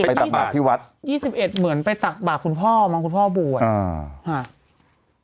ไปตักบาดที่วัด๒๑เหมือนไปตักบาดคุณพ่อมองคุณพ่อบวช